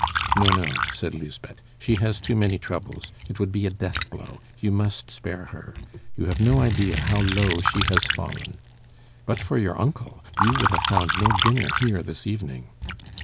"No, no," said Lisbeth, "she has too many troubles; it would be a death blow; you must spare her. You have no idea how low she has fallen. But for your uncle, you would have found no dinner here this evening."